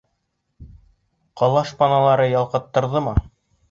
Ҡала шпаналары ялҡтырҙымы?